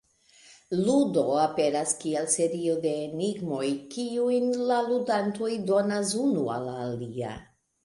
Ludo aperas kiel serio de enigmoj, kiujn la ludantoj donas unu al la alia.